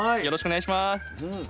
よろしくお願いします。